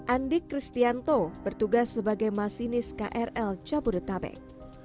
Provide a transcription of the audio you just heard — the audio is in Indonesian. andi kristianto bertugas sebagai masinis krl caburutabek